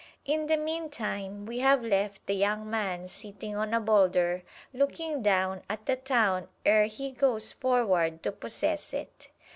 In the meantime, we have left the young man sitting on a boulder looking down at the town ere he goes forward to possess it.